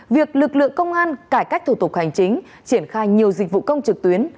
việc lực lượng công an cải cách thủ tục hành chính triển khai nhiều dịch vụ công trực tuyến